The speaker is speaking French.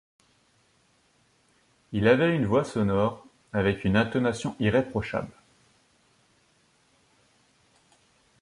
Il avait une voix sonore, avec une intonation irréprochable.